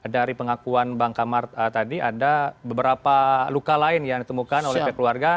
dari pengakuan bang kamar tadi ada beberapa luka lain yang ditemukan oleh pihak keluarga